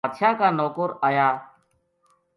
بادشاہ کا نوکر آیا